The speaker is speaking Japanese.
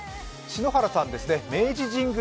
篠原さんですね、明治神宮